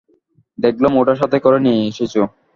দেখলাম ওটা সাথে করে নিয়ে এসেছো।